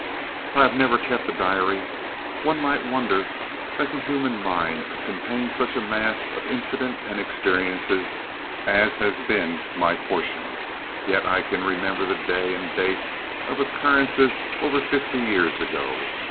I have never kept a diary. One might wonder that the human mind could contain such a mass of incident and experiences as has been my portion, yet I can remember the day and date of occurrences of fifty years ago.